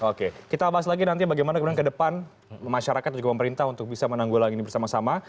oke kita bahas lagi nanti bagaimana kemudian ke depan masyarakat dan juga pemerintah untuk bisa menanggulangi ini bersama sama